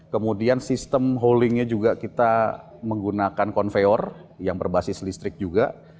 kemudian sistem holdingnya juga kita menggunakan konveyor yang berbasis listrik juga